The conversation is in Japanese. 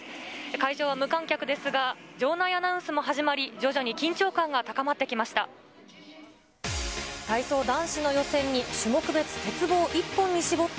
会場は無観客ですが、場内アナウンスも始まり、徐々に緊張感が高まってきました。